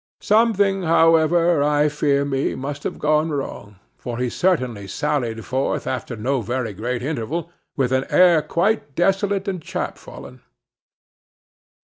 Something, however, I fear me, must have gone wrong, for he certainly sallied forth, after no very great interval, with an air quite desolate and chapfallen.